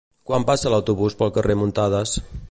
Quan passa l'autobús pel carrer Muntadas?